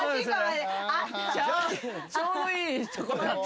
ちょうどいいとこがあって。